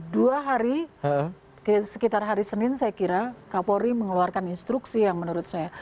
dua hari sekitar hari senin saya kira kapolri mengeluarkan instruksi yang menurut saya